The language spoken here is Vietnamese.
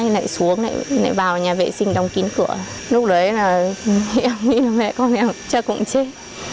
lại xuống lại vào nhà vệ sinh đóng kín cửa lúc đấy là em nghĩ mẹ con cháy cũng chết